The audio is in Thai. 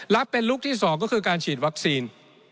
เป็นลุคที่๒ก็คือการฉีดวัคซีน